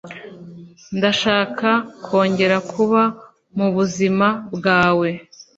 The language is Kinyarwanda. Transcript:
Ndashaka kongera kuba mubuzima bwawe.